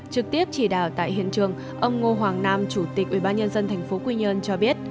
trực tiếp chỉ đạo tại hiện trường ông ngô hoàng nam chủ tịch ubnd tp quy nhơn cho biết